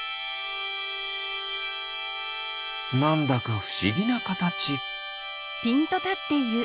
なんだかふしぎなかたち。